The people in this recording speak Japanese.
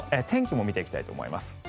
天気も見ていきたいと思います。